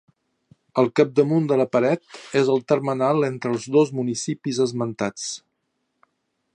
El capdamunt de la paret és el termenal entre els dos municipis esmentats.